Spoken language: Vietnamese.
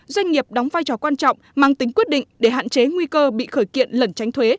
doanh nghiệp đóng vai trò quan trọng mang tính quyết định để hạn chế nguy cơ bị khởi kiện lẩn tránh thuế